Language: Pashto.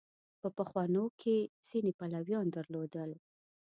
په پخوانو کې ځینې پلویان درلودل.